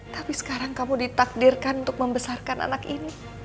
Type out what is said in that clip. tapi sekarang kamu ditakdirkan untuk membesarkan anak ini